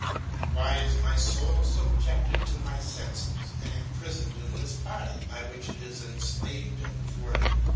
Why is my soul subjected to my senses, and imprisoned in this body by which it is enslaved and thwarted?